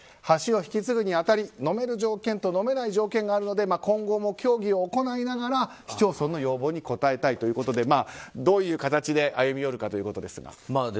橋を引き継ぐに当たりのめる条件とのめない条件があるので今後も協議を行いながら市町村の要望に応えたいということでどういう形で歩み寄るかということですが。